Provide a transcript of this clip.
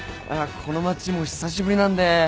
この町も久しぶりなんで。